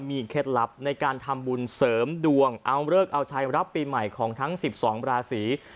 มีเคล็ดลับในการทำบุญเสริมดวงเอาเลิกเอาชัยรับปีใหม่ของทั้ง๑๒ราศี